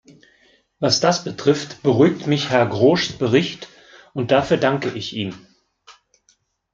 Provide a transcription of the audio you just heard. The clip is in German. Was das betrifft, beruhigt mich Herrn Groschs Bericht, und dafür danke ich ihm.